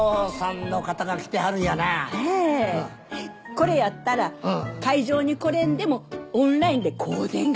これやったら会場に来れんでもオンラインで香典が届くんです。